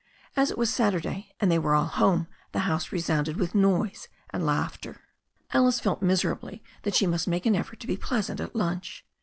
As it was Saturday, and they were all home, the house resounded with noise and laughter. Alice felt miserably that she must make an effort to be pleasant at lunch.